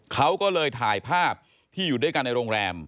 เขาก็เลยถ่ายภาพที่อยู่ด้วยกันในโรงแรม